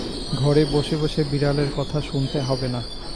ঘরে বসে-বসে বিড়ালের কথা শুনলে হবে না।